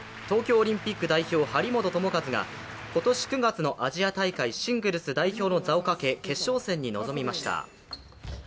東京オリンピック代表・張本智和が今年９月のアジア大会シングルス代表の座をかけ決勝戦に臨みました。